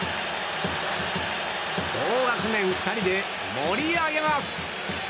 同学年２人で盛り上げます！